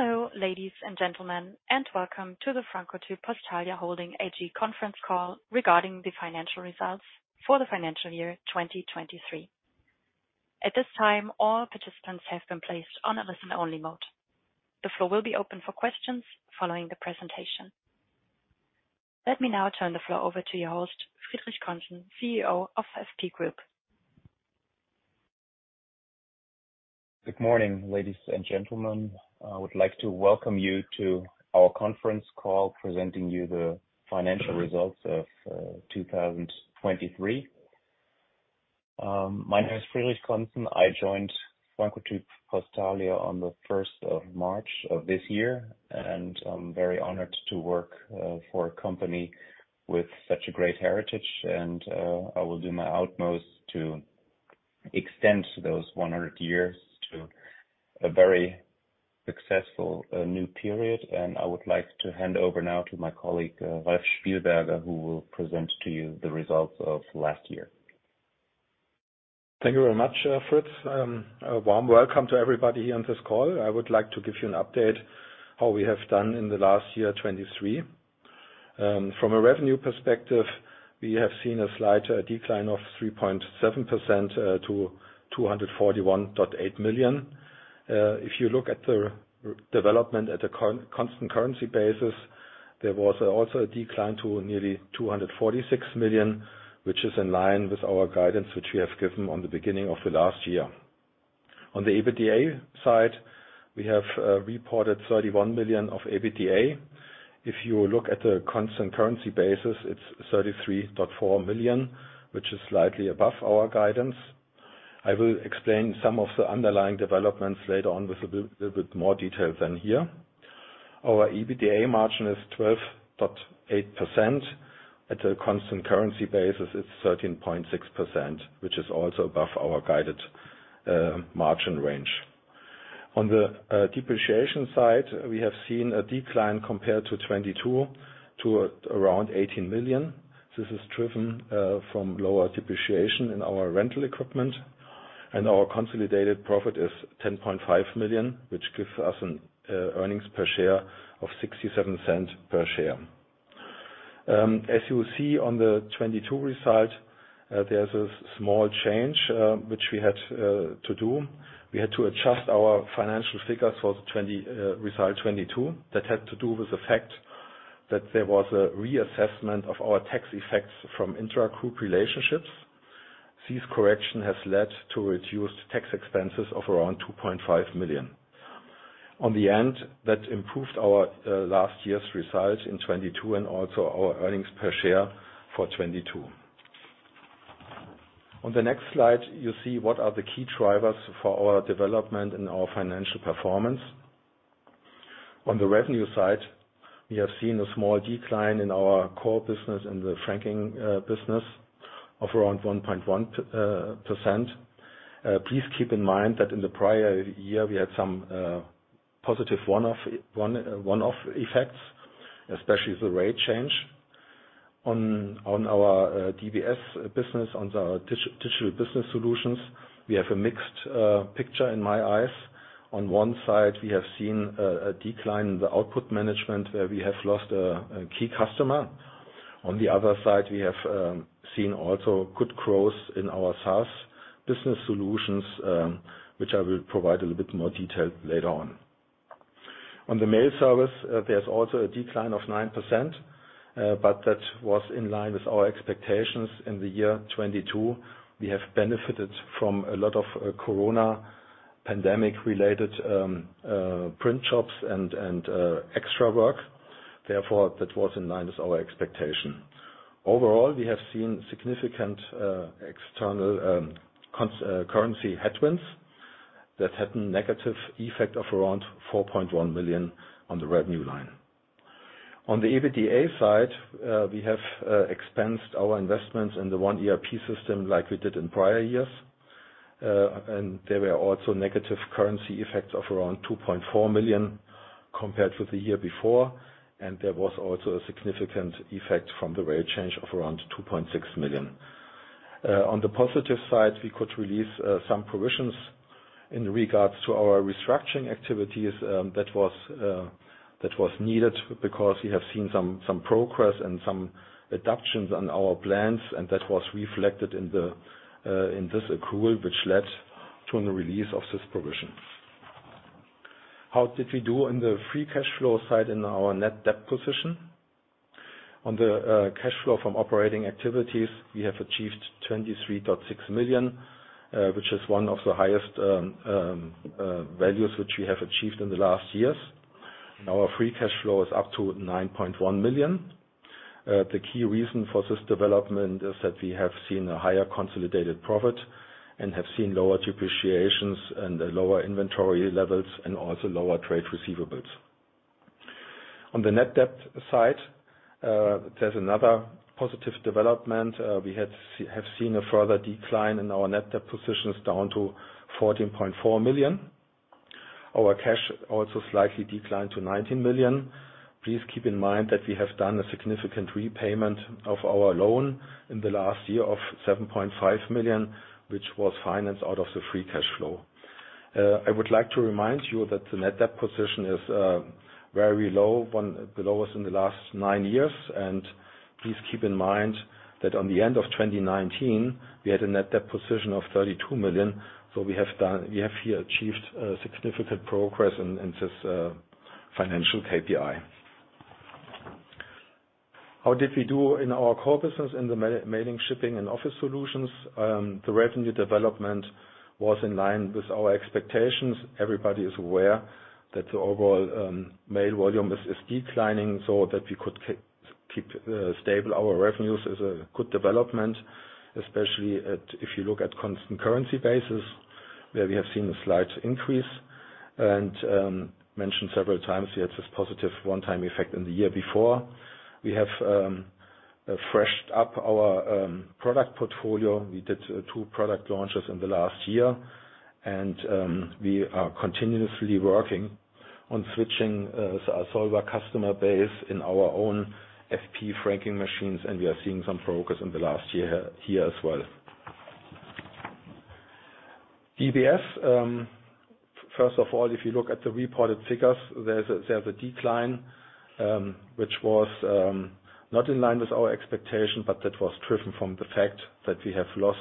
Hello, ladies and gentlemen, and welcome to the Francotyp-Postalia Holding AG conference call regarding the financial results for the financial year 2023. At this time, all participants have been placed on a listen-only mode. The floor will be open for questions following the presentation. Let me now turn the floor over to your host, Friedrich Conzen, CEO of FP Group. Good morning, ladies and gentlemen. I would like to welcome you to our conference call, presenting you the financial results of 2023. My name is Friedrich Conzen. I joined Francotyp-Postalia on the first of March of this year, and I'm very honored to work for a company with such a great heritage, and I will do my utmost to extend those 100 years to a very successful new period. I would like to hand over now to my colleague Ralf Spielberger, who will present to you the results of last year. Thank you very much, Fritz. A warm welcome to everybody here on this call. I would like to give you an update how we have done in the last year, 2023. From a revenue perspective, we have seen a slight decline of 3.7% to 241.8 million. If you look at the revenue development at the constant currency basis, there was also a decline to nearly 246 million, which is in line with our guidance, which we have given on the beginning of the last year. On the EBITDA side, we have reported 31 million of EBITDA. If you look at the constant currency basis, it's 33.4 million, which is slightly above our guidance. I will explain some of the underlying developments later on with a little bit more detail than here. Our EBITDA margin is 12.8%. At a constant currency basis, it's 13.6%, which is also above our guided margin range. On the depreciation side, we have seen a decline compared to 2022 to around 18 million. This is driven from lower depreciation in our rental equipment, and our consolidated profit is 10.5 million, which gives us an earnings per share of 0.67 EUR per share. As you see on the 2022 result, there's a small change, which we had to do. We had to adjust our financial figures for the 2022 result. That had to do with the fact that there was a reassessment of our tax effects from intra-group relationships. This correction has led to reduced tax expenses of around 2.5 million. In the end, that improved our last year's results in 2022 and also our earnings per share for 2022. On the next slide, you see what are the key drivers for our development and our financial performance. On the revenue side, we have seen a small decline in our core business, in the franking business of around 1.1%. Please keep in mind that in the prior year, we had some positive one-off effects, especially the rate change. On our DBS business, on our Digital Business Solutions, we have a mixed picture in my eyes. On one side, we have seen a decline in the Output Management, where we have lost a key customer. On the other side, we have seen also good growth in our SaaS business solutions, which I will provide a little bit more detail later on. On the mail service, there's also a decline of 9%, but that was in line with our expectations. In the year 2022, we have benefited from a lot of corona pandemic-related print shops and extra work. Therefore, that was in line with our expectation. Overall, we have seen significant external constant currency headwinds that had a negative effect of around 4.1 million on the revenue line. On the EBITDA side, we have expensed our investments in the One ERP system like we did in prior years. There were also negative currency effects of around 2.4 million compared with the year before, and there was also a significant effect from the rate change of around 2.6 million. On the positive side, we could release some provisions in regards to our restructuring activities, that was needed because we have seen some progress and some reductions on our plans, and that was reflected in this accrual, which led to a release of this provision. How did we do on the free cash flow side and our net debt position? On the cash flow from operating activities, we have achieved 23.6 million, which is one of the highest values which we have achieved in the last years. Our free cash flow is up to 9.1 million. The key reason for this development is that we have seen a higher consolidated profit and have seen lower depreciations and lower inventory levels and also lower trade receivables. On the net debt side, there's another positive development. We have seen a further decline in our net debt positions down to 14.4 million. Our cash also slightly declined to 19 million. Please keep in mind that we have done a significant repayment of our loan in the last year of 7.5 million, which was financed out of the free cash flow. I would like to remind you that the net debt position is very low, the lowest in the last nine years. Please keep in mind that at the end of 2019, we had a net debt position of 32 million, so we have here achieved significant progress in this financial KPI. How did we do in our core business, in the mailing, shipping, and office solutions? The revenue development was in line with our expectations. Everybody is aware that the overall mail volume is declining, so that we could keep stable our revenues is a good development, especially if you look at constant currency basis, where we have seen a slight increase. Mentioned several times, we had this positive one-time effect in the year before. We have refreshed our product portfolio. We did two product launches in the last year, and we are continuously working on switching our smaller customer base in our own FP franking machines, and we are seeing some progress in the last year as well. DBS, first of all, if you look at the reported figures, there's a decline, which was not in line with our expectation, but that was driven from the fact that we have lost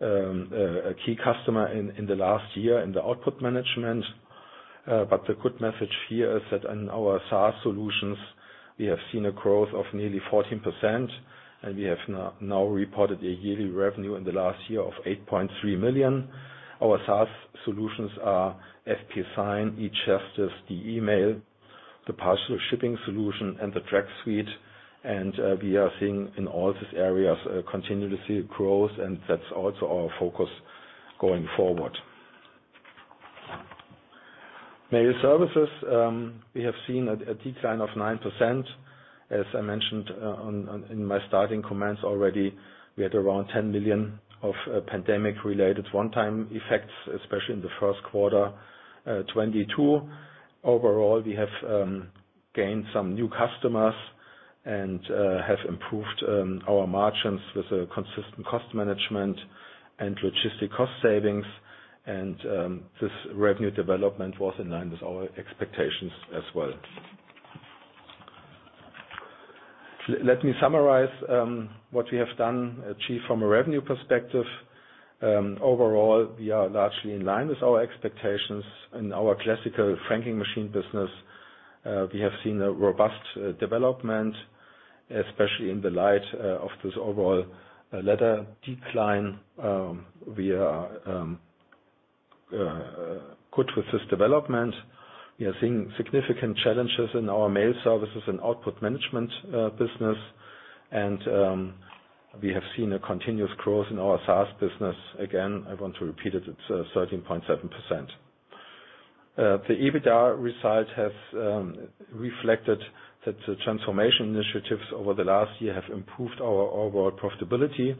a key customer in the last year in the Output Management. The good message here is that in our SaaS solutions, we have seen a growth of nearly 14%, and we have now reported a yearly revenue in the last year of 8.3 million. Our SaaS solutions are FP Sign, e-Justice, De-Mail, the parcel shipping solution, and the TRAXsuite. We are seeing in all these areas continuous growth, and that's also our focus going forward. Mail Services, we have seen a decline of 9%. As I mentioned, in my starting comments already, we had around 10 million of pandemic-related one-time effects, especially in the first quarter 2022. Overall, we have gained some new customers and have improved our margins with a consistent cost management and logistic cost savings, and this revenue development was in line with our expectations as well. Let me summarize what we have done, achieved from a revenue perspective. Overall, we are largely in line with our expectations. In our classical franking machine business, we have seen a robust development, especially in the light of this overall letter decline. We are good with this development. We are seeing significant challenges in our Mail Services and Output Management business, and we have seen a continuous growth in our SaaS business. Again, I want to repeat it, it's 13.7%. The EBITDA results have reflected that the transformation initiatives over the last year have improved our overall profitability.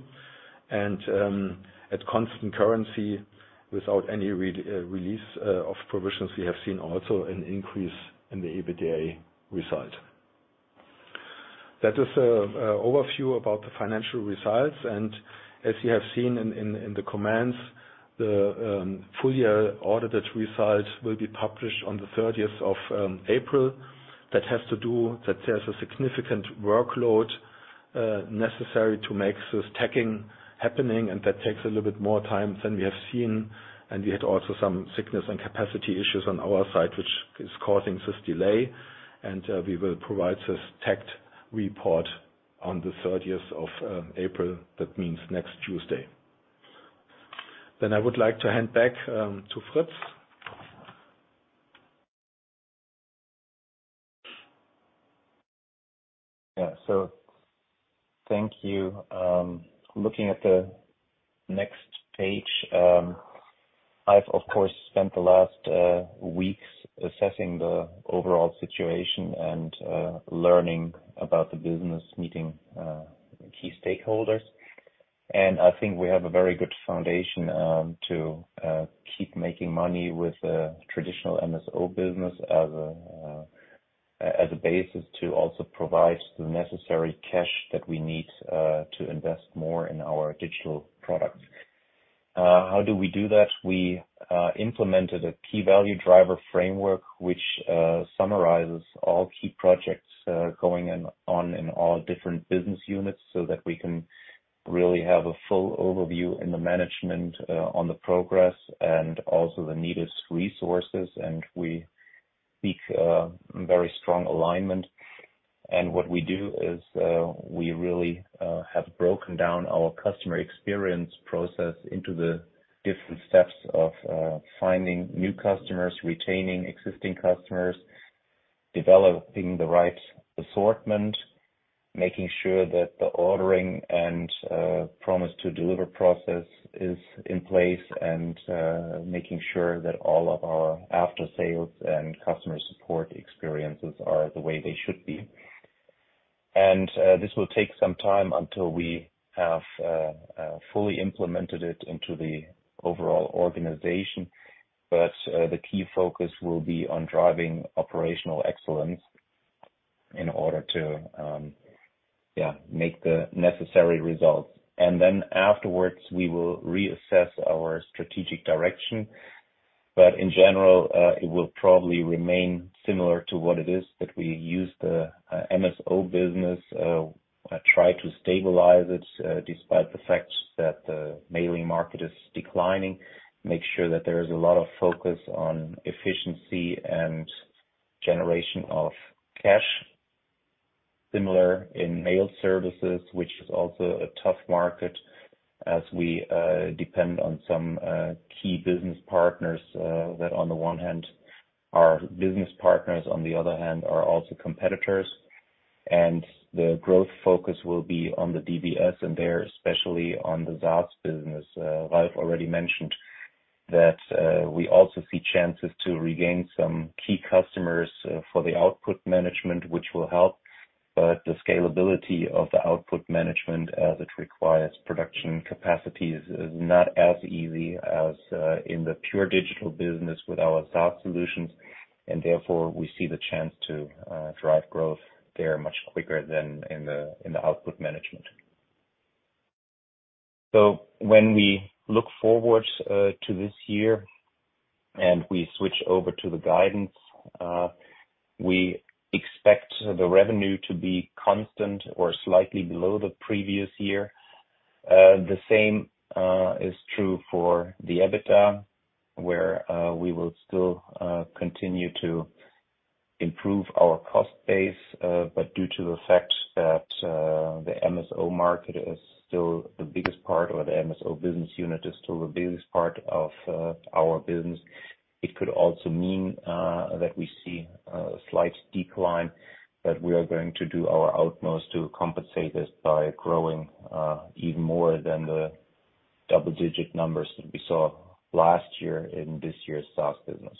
At constant currency, without any re-release of provisions, we have seen also an increase in the EBITDA result. That is an overview about the financial results, and as you have seen in the comments, the full year audited results will be published on the thirteenth of April. That has to do that there's a significant workload necessary to make this tagging happening, and that takes a little bit more time than we have seen, and we had also some sickness and capacity issues on our side, which is causing this delay. We will provide this tagged report on the thirteenth of April. That means next Tuesday. Then I would like to hand back to Fritz. Yeah, so thank you. Looking at the next page, I've of course spent the last weeks assessing the overall situation and learning about the business, meeting key stakeholders. I think we have a very good foundation to keep making money with the traditional MSO business as a basis to also provide the necessary cash that we need to invest more in our digital products. How do we do that? We implemented a key value driver framework, which summarizes all key projects going on in all different business units, so that we can really have a full overview in the management on the progress and also the needed resources, and we speak very strong alignment. What we do is, we really have broken down our customer experience process into the different steps of finding new customers, retaining existing customers, developing the right assortment, making sure that the ordering and promise to deliver process is in place, and making sure that all of our after-sales and customer support experiences are the way they should be. This will take some time until we have fully implemented it into the overall organization. The key focus will be on driving operational excellence in order to make the necessary results. Then afterwards, we will reassess our strategic direction. In general, it will probably remain similar to what it is, that we use the MSO business, try to stabilize it, despite the fact that the mailing market is declining. Make sure that there is a lot of focus on efficiency and generation of cash. Similar in mail services, which is also a tough market, as we depend on some key business partners that on the one hand, are business partners, on the other hand, are also competitors. The growth focus will be on the DBS, and there, especially on the SaaS business. Ralf already mentioned that we also see chances to regain some key customers for the Output Management, which will help. The scalability of the Output Management, as it requires production capacities, is not as easy as in the pure digital business with our SaaS solutions, and therefore, we see the chance to drive growth there much quicker than in the Output Management. When we look forward to this year, and we switch over to the guidance, we expect the revenue to be constant or slightly below the previous year. The same is true for the EBITDA, where we will still continue to improve our cost base, but due to the fact that the MSO market is still the biggest part, or the MSO business unit is still the biggest part of our business, it could also mean that we see a slight decline. We are going to do our utmost to compensate this by growing even more than the double-digit numbers that we saw last year in this year's SaaS business.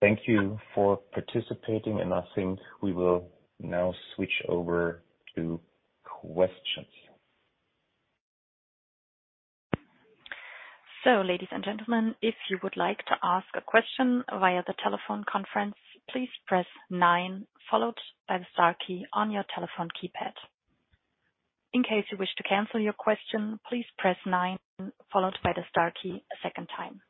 Thank you for participating, and I think we will now switch over to questions. Ladies and gentlemen, if you would like to ask a question via the telephone conference, please press nine, followed by the star key on your telephone keypad. In case you wish to cancel your question, please press nine, followed by the star key a second time.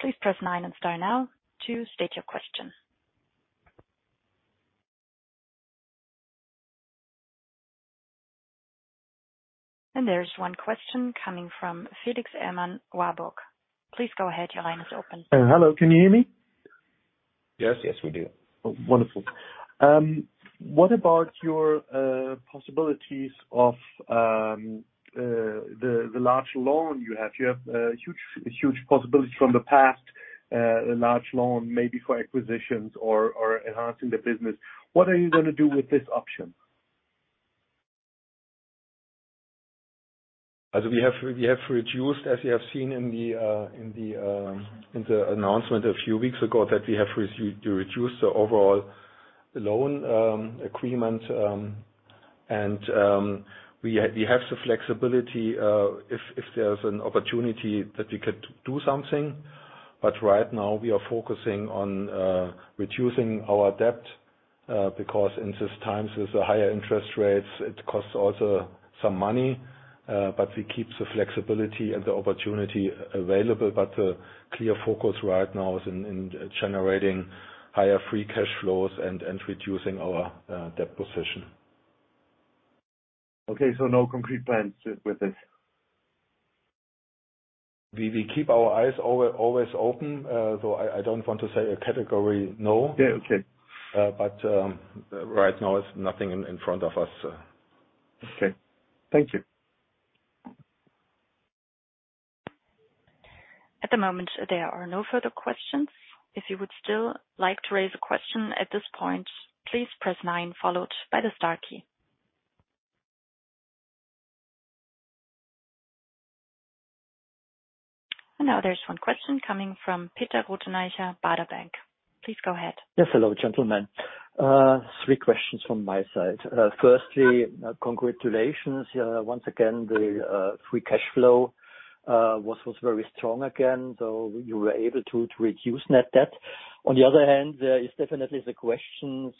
Please press nine and star now to state your question. There is one question coming from Felix Ellmann, Warburg. Please go ahead, your line is open. Hello, can you hear me? Yes. Yes, we do. Oh, wonderful. What about your possibilities of the large loan you have? You have huge, huge possibility from the past, a large loan, maybe for acquisitions or enhancing the business. What are you gonna do with this option? As we have reduced, as you have seen in the announcement a few weeks ago, that we have reduced the overall loan agreement. We have the flexibility if there's an opportunity that we could do something. Right now, we are focusing on reducing our debt because in these times, there's higher interest rates, it costs also some money, but we keep the flexibility and the opportunity available. The clear focus right now is in generating higher free cash flows and reducing our debt position. Okay, so no concrete plans with this? We keep our eyes always open, so I don't want to say a category no. Yeah, okay. Right now, it's nothing in front of us. Okay. Thank you. At the moment, there are no further questions. If you would still like to raise a question at this point, please press nine, followed by the star key. Now there's one question coming from Peter Rothenaicher, Baader Bank. Please go ahead. Yes, hello, gentlemen. Three questions from my side. Firstly, congratulations, once again, the free cash flow was very strong again, so you were able to reduce net debt. On the other hand, there is definitely the questions,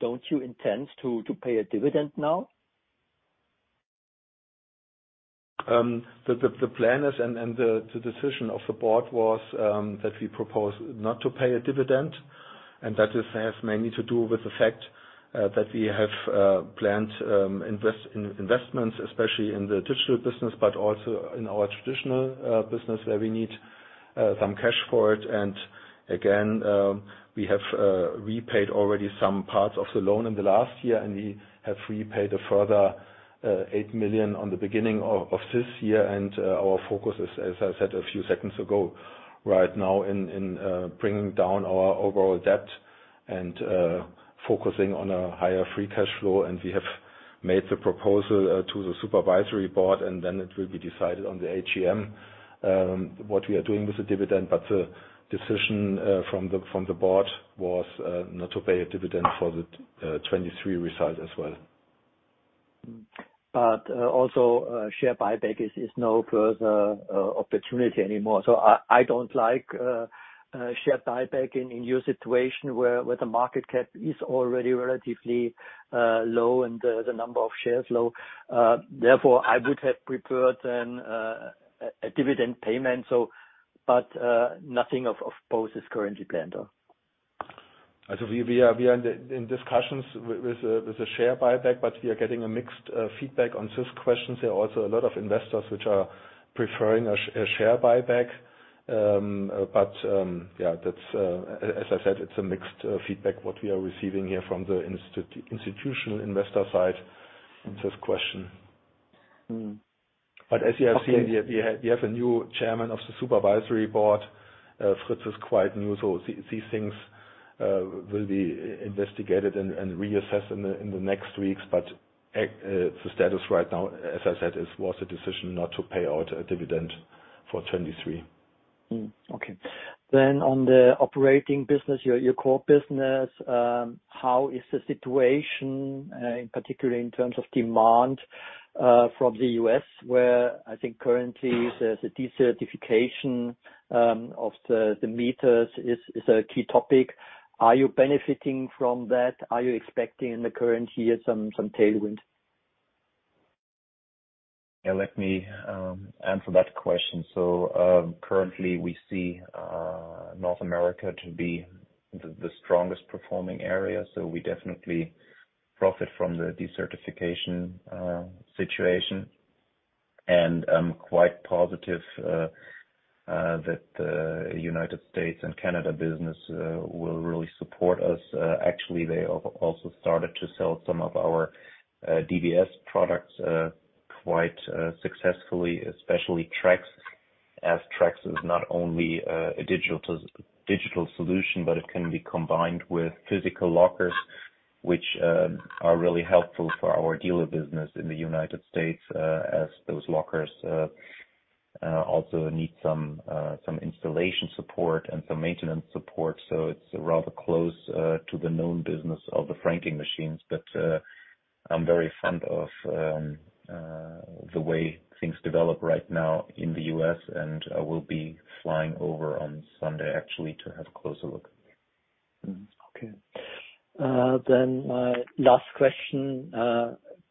don't you intend to pay a dividend now? The plan is, and the decision of the board was, that we propose not to pay a dividend, and that has mainly to do with the fact that we have planned investments, especially in the Digital business, but also in our traditional business, where we need some cash for it. Again, we have repaid already some parts of the loan in the last year, and we have repaid a further 8 million on the beginning of this year. Our focus is, as I said a few seconds ago, right now in bringing down our overall debt and focusing on a higher free cash flow. We have made the proposal to the supervisory board, and then it will be decided on the AGM what we are doing with the dividend. The decision from the board was not to pay a dividend for the 2023 result as well. Also, share buyback is no further opportunity anymore. I don't like a share buyback in your situation, where the market cap is already relatively low and the number of shares low. Therefore, I would have preferred a dividend payment, so but nothing of both is currently planned, though? We are in discussions with the share buyback, but we are getting a mixed feedback on this question. There are also a lot of investors which are preferring a share buyback. Yeah, that's as I said, it's a mixed feedback what we are receiving here from the institutional investor side on this question. Mm-hmm. As you have seen, we have, we have a new chairman of the supervisory board. Fritz is quite new, so these, these things will be investigated and, and reassessed in the, in the next weeks. The status right now, as I said, is, was a decision not to pay out a dividend for 2023. Okay. Then on the operating business, your core business, how is the situation, in particular, in terms of demand, from the U.S., where I think currently there's a decertification of the meters is a key topic? Are you benefiting from that? Are you expecting in the current year, some tailwind? Yeah, let me answer that question. Currently, we see North America to be the strongest performing area, so we definitely profit from the decertification situation. I'm quite positive that United States and Canada business will really support us. Actually, they also started to sell some of our DBS products quite successfully, especially TRAXsuite. As TRAXsuite is not only a digital solution, but it can be combined with physical lockers, which are really helpful for our dealer business in the United States, as those lockers also need some installation support and some maintenance support. It's rather close to the known business of the franking machines. I'm very fond of the way things develop right now in the U.S., and I will be flying over on Sunday, actually, to have a closer look. Okay. Then, last question,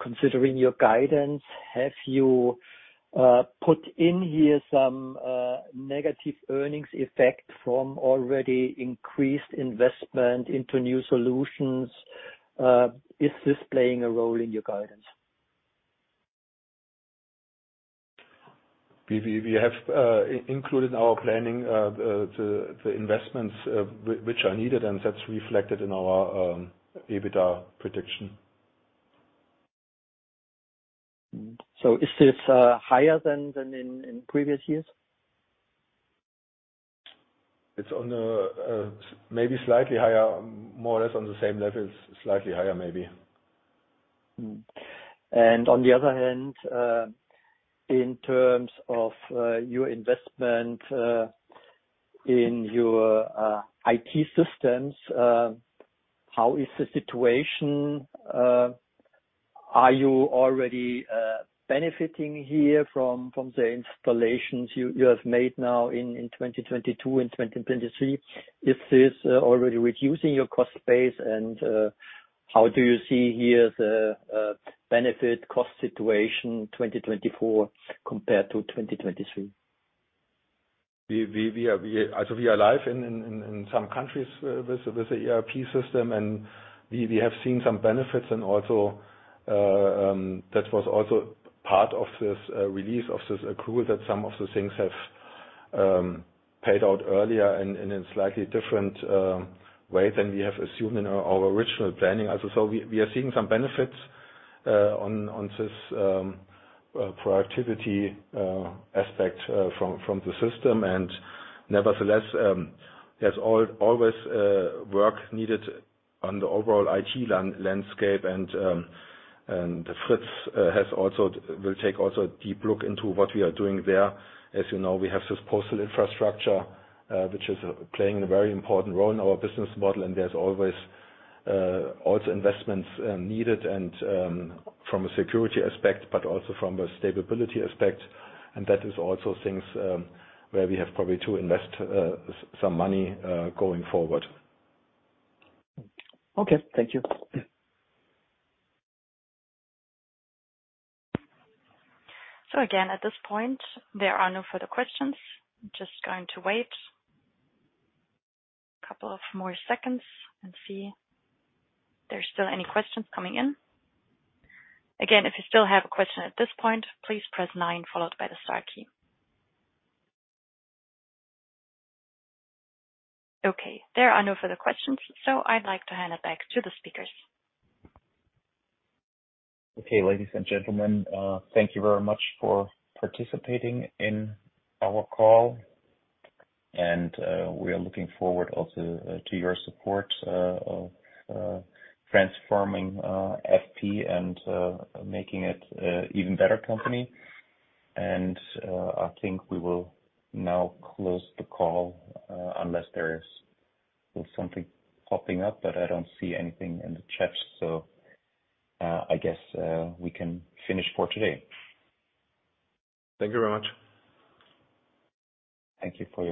considering your guidance, have you put in here some negative earnings effect from already increased investment into new solutions? Is this playing a role in your guidance? We have included in our planning the investments which are needed, and that's reflected in our EBITDA prediction. Is this higher than in previous years? It's on a, maybe slightly higher, more or less on the same level, slightly higher, maybe. On the other hand, in terms of your investment in your IT systems, how is the situation? Are you already benefiting here from the installations you have made now in 2022 and 2023? Is this already reducing your cost base, and how do you see here the benefit cost situation, 2024 compared to 2023? We are live in some countries with the ERP system, and we have seen some benefits. Also, that was also part of this release of this accrual, that some of the things have paid out earlier and in a slightly different way than we have assumed in our original planning. We are seeing some benefits on this productivity aspect from the system. Nevertheless, there's always work needed on the overall IT landscape. Fritz will also take a deep look into what we are doing there. As you know, we have this postal infrastructure, which is playing a very important role in our business model, and there's always also investments needed, and from a security aspect, but also from a stability aspect. And that is also things where we have probably to invest some money going forward. Okay, thank you. Again, at this point, there are no further questions. Just going to wait a couple of more seconds and see if there's still any questions coming in. Again, if you still have a question at this point, please press nine followed by the star key. Okay, there are no further questions, so I'd like to hand it back to the speakers. Okay, ladies and gentlemen, thank you very much for participating in our call, and we are looking forward also to your support of transforming FP, and making it a even better company. I think we will now close the call, unless there is still something popping up, but I don't see anything in the chat, so I guess we can finish for today. Thank you very much. Thank you for your participation.